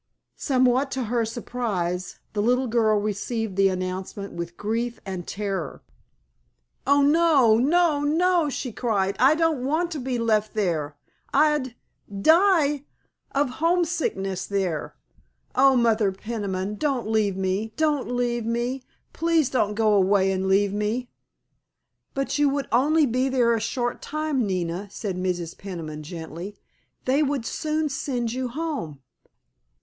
Somewhat to her surprise, the little girl received the announcement with grief and terror. "Oh, no, no, no," she cried, "I don't want to be left there! I'd die of homesickness there! Oh, Mother Peniman, don't leave me, don't leave me, please don't go away and leave me!" "But you would only be there a short time, Nina," said Mrs. Peniman gently; "they would soon send you home."